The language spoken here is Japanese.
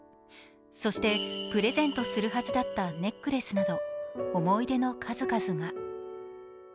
そして、プレゼントするはずだったネックレスなど、思い出の数々が。